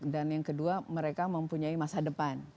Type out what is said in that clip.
dan yang kedua mereka mempunyai masa depan